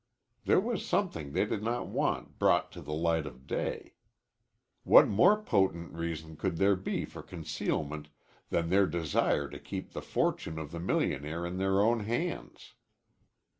There was something they did not want brought to the light of day. What more potent reason could there be for concealment than their desire to keep the fortune of the millionaire in their own hands?